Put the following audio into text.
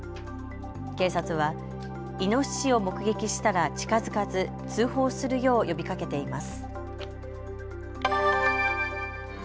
警察はイノシシを目撃したら近づかず通報するよう呼びかけています。